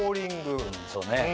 そうね。